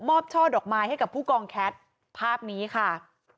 ช่อดอกไม้ให้กับผู้กองแคทภาพนี้ค่ะ